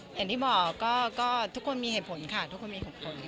อย่างที่บอกก็ทุกคนมีเหตุผลค่ะทุกคนมี๖คน